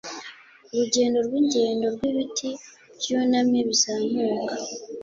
urugendo rwingendo rwibiti byunamye bizamuka